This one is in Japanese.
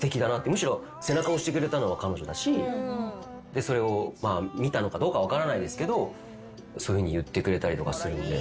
むしろ背中を押してくれたのは彼女だしそれを見たのかどうか分からないですけどそういうふうに言ってくれたりとかするんで。